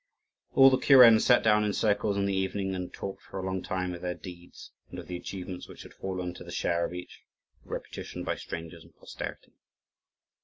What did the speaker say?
All the kurens sat down in circles in the evening, and talked for a long time of their deeds, and of the achievements which had fallen to the share of each, for repetition by strangers and posterity.